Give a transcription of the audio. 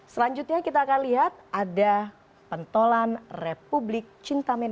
selanjutnya kita akan lihat ada pentolan republik cinta